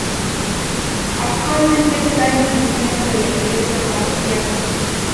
Actualmente está en el Museo de la Iglesia Parroquial.